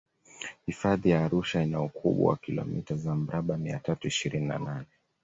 hifadhi ya arusha ina ukubwa wa kilomita za mraba mia tatu ishirini na nane